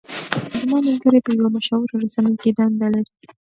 زما ملګری په یوه مشهوره رسنۍ کې دنده لري.